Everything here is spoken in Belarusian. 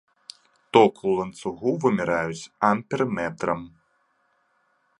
Ток у ланцугу вымяраюць амперметрам.